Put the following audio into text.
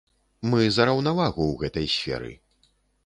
Мы за раўнавагу ў гэтай сферы.